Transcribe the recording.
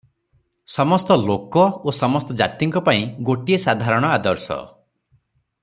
ସମସ୍ତ ଲୋକ ଓ ସମସ୍ତ ଜାତିଙ୍କ ପାଇଁ ଗୋଟିଏ ସାଧାରଣ ଆଦର୍ଶ ।